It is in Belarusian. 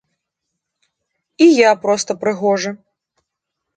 І я проста прыгожы.